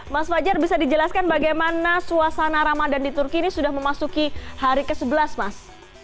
mas fajar bisa dijelaskan bagaimana suasana ramadan di turki ini sudah memasuki hari ke sebelas mas